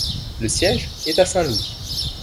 Le siège est à Saint-Louis.